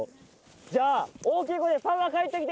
じゃあ大きい声で「パパ帰ってきて」